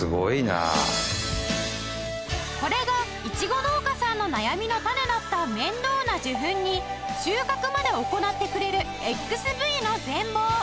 これがイチゴ農家さんの悩みの種だった面倒な受粉に収穫まで行ってくれる ＸＶ の全貌！